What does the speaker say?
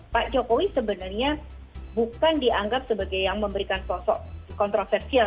pak jokowi sebenarnya bukan dianggap sebagai yang memberikan sosok kontroversial